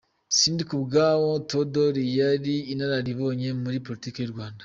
Sindikubwabo Tewodori yari inararibonye muri politiki y’u Rwanda.